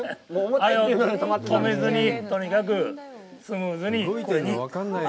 あれを止めずにとにかくスムーズに。